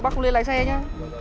bác không nên lái xe nhá